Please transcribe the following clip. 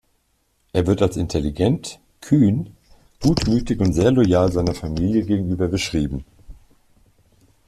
Er wird als intelligent, kühn, gutmütig und sehr loyal seiner Familie gegenüber beschrieben.